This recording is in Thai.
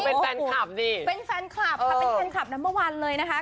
เป็นแฟนคลับดิเป็นแฟนคลับค่ะเป็นแฟนคลับนัมเบอร์วันเลยนะคะ